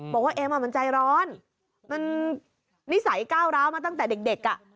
เอ็มมันใจร้อนมันนิสัยก้าวร้าวมาตั้งแต่เด็กอ่ะ